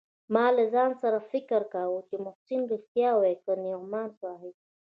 ما له ځان سره فکر کاوه چې محسن رښتيا وايي که نعماني صاحب.